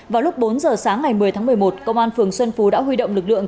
vào lúc bốn giờ sáng ngày một mươi tháng một mươi một công an phường xuân phú đã huy động lực lượng